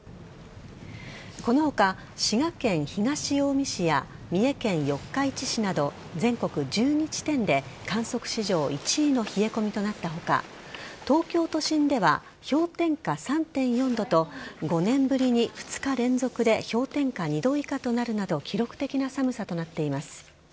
この他、滋賀県東近江市や三重県四日市市など全国１２地点で観測史上１位の冷え込みとなった他東京都心では氷点下３．４度と５年ぶりに２日連続で氷点下２度以下となるなど記録的な寒さとなっています。